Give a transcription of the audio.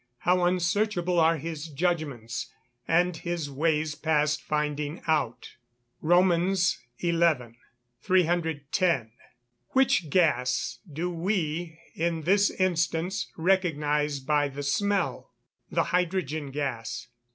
how unsearchable are his judgments, and his ways past finding out." ROM. XI.] 310. Which gas do we (in this instance) recognise by the smell? The hydrogen gas.